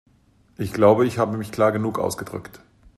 Ich glaube, ich habe mich klar genug ausgedrückt.